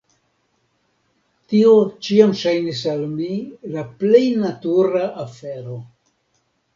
Tio ĉiam ŝajnis al mi la plej natura afero.